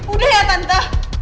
udah ya tante